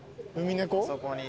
あそこに。